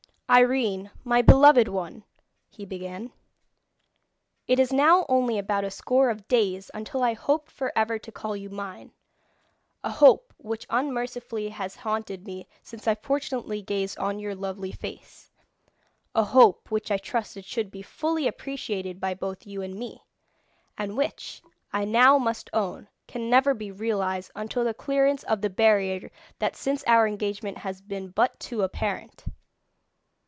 "Irene, my beloved one," he began; "it is now only about a score of days until I hoped for ever to call you mine; a hope which unmercifully has haunted me since I fortunately gazed on your lovely face; a hope which I trusted should be fully appreciated by both you and me, and which, I now must own, can never be realised until the clearance of the barrier that since our engagement has been but too apparent.